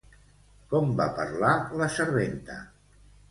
Com va parlar la serventa?